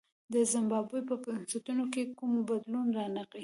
د زیمبابوې په بنسټونو کې کوم بدلون رانغی.